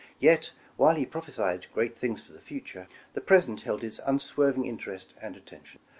Yet while he prophesied great things for the future, the present held his unswerving interest and attention.